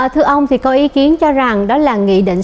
thưa ông thì có ý kiến cho rằng đó là nghị định sáu mươi năm